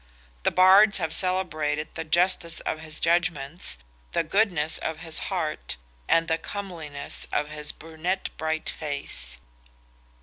The Bards have celebrated the justice of his judgments, the goodness of his heart, and the comeliness of his "brunette bright face."